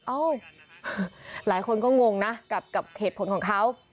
เอ้าหลายคนก็งงนะกับเหตุผลของเขา